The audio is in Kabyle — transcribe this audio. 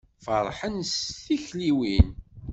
Ferḥen s tikliwin.